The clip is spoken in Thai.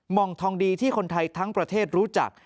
องทองดีที่คนไทยทั้งประเทศรู้จัก